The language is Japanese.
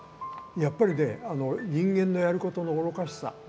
やっぱりね人間のやることの愚かしさ。